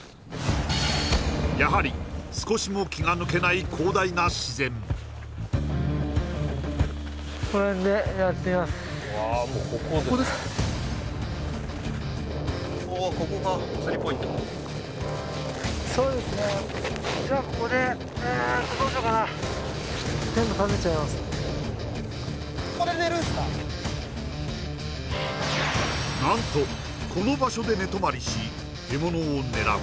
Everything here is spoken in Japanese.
やはり少しも気が抜けない広大な自然何とこの場所で寝泊まりし獲物を狙う